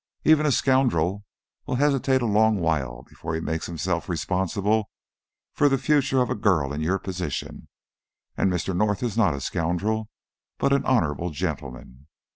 Even a scoundrel will hesitate a long while before he makes himself responsible for the future of a girl in your position, and Mr. North is not a scoundrel but an honourable gentleman.